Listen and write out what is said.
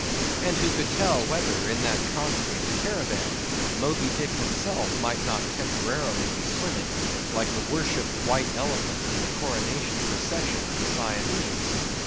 And who could tell whether, in that congregated caravan, Moby Dick himself might not temporarily be swimming, like the worshipped white elephant in the coronation procession of the Siamese!